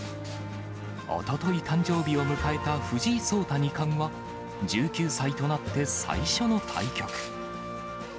おととい誕生日を迎えた藤井聡太二冠は、１９歳となって最初の対局。